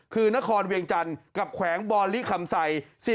คือนครเวียงจันทร์กับแขวงบริคัมไส้